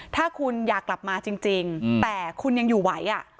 ถ้าคุณอยากกลับมาจริงแต่คุณยังอยู่ไหว